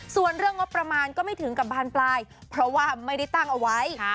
ส่วนเรื่องงบประมาณก็ไม่ถึงกับบานปลายเพราะว่าไม่ได้ตั้งเอาไว้